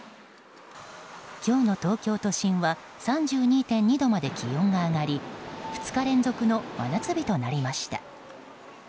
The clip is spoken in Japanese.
今日の東京都心は３２．２度まで気温が上がり２日連続の真夏日となりました。